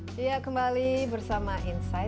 jangan lupa subscribe like share dan share